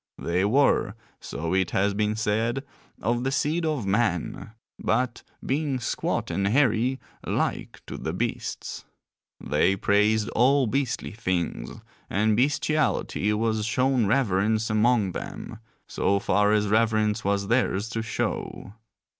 They were, so it has been said, of the seed of man; but, being squat and hairy like to the beasts; they praised all beastly things, and bestiality was shown reverence among them, so far as reverence was theirs to show.